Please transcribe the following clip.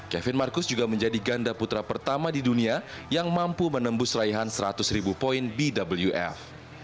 kevin marcus juga menjadi ganda putra pertama di dunia yang mampu menembus raihan seratus ribu poin bwf